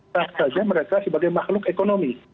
tak saja mereka sebagai makhluk ekonomi